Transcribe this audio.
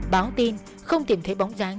báo tin không tìm thấy bóng dáng